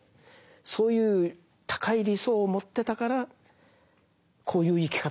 そういう高い理想を持ってたからこういう生き方ができたんですよね。